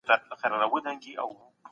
ليکوال د خلګو تر منځ اړيکې پياوړې کوي.